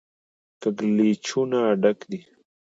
کږلېچونو ډک دی.